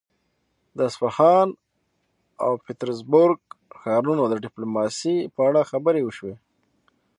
د اصفهان او پيترزبورګ ښارونو د ډيپلوماسي په اړه خبرې وشوې.